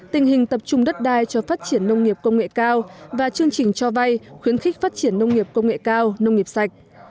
tình hình tập trung đất đai cho phát triển nông nghiệp công nghệ cao và chương trình cho vay khuyến khích phát triển nông nghiệp công nghệ cao nông nghiệp sạch